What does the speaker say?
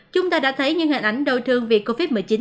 chúng ta đã thấy những hình ảnh đau thương vì covid một mươi chín